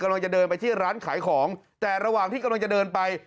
เดินไปที่ร้านขายของแต่ระหว่างที่กำลังจะเดินไป